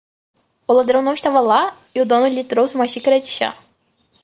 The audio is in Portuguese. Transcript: O ladrão não estava lá? e o dono lhe trouxe uma xícara de chá.